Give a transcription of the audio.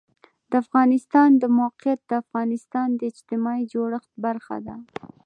د افغانستان د موقعیت د افغانستان د اجتماعي جوړښت برخه ده.